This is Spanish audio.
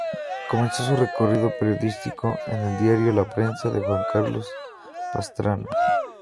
Comenzó su recorrido periodístico en el diario La Prensa, con Juan Carlos Pastrana.